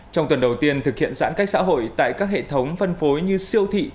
trong tuần đầu tiên thực hiện giãn cách xã hội tại các hệ thống phân phối như siêu thị